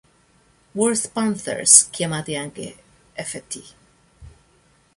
Worth Panthers, chiamati anche Ft.